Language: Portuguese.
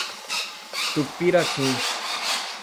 Tupiratins